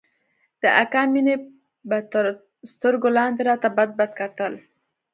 د اکا مينې به تر سترگو لاندې راته بدبد کتل.